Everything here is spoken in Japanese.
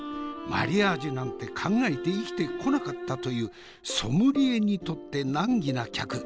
マリアージュなんて考えて生きてこなかったというソムリエにとって難儀な客。